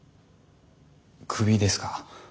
クビですか？